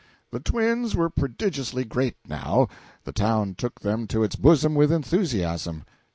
The twins were prodigiously great, now; the town took them to its bosom with enthusiasm.